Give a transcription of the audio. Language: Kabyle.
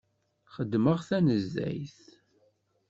Xeddmeɣ tanezzayt.